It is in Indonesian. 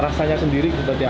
rasanya sendiri seperti apa